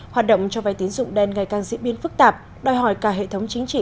hoạt động cho vai tín dụng đen ngày càng diễn biến phức tạp đòi hỏi cả hệ thống chính trị